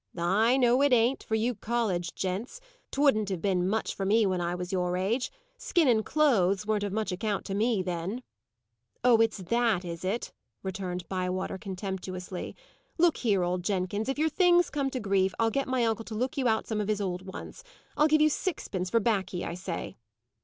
"I know it ain't for you college gents. 'Twouldn't have been much for me when I was your age. Skin and clothes weren't of much account to me, then." "Oh, it's that, is it?" returned Bywater, contemptuously. "Look here, old Jenkins! if your things come to grief, I'll get my uncle to look you out some of his old ones. I'll give you sixpence for baccy, I say!"